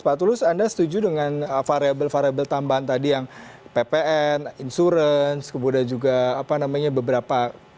pak tulus anda setuju dengan variable variable tambahan tadi yang ppn insurance kemudian juga apa namanya beberapa